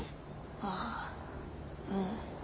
ああうん。